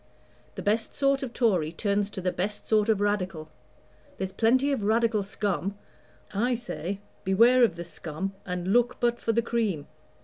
The best sort of Tory turns to the best sort of Radical. There's plenty of Radical scum I say, beware of the scum, and look but for the cream.